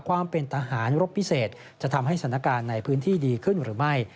ความเป็นทหารรบพิเศษจะทำให้สถานการณ์ในพื้นที่ดีขึ้นหรือไม่